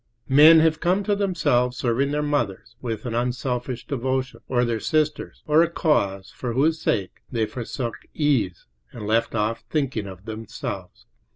Men have come to themselves serving their mothers with an unselfish devotion, or their sisters, or a cause for whose sake they forsook ease and left off thinking of themselves.